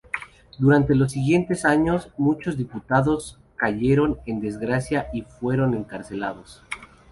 Durante los siguientes años, muchos diputados cayeron en desgracia y fueron encarcelados.